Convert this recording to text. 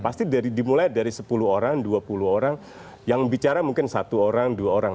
pasti dimulai dari sepuluh orang dua puluh orang yang bicara mungkin satu orang dua orang